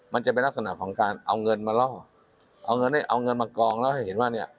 มันจะเป็นนักสนับของการเอาเงินมาเล่าเอาเงินมากองแล้วให้เห็นว่า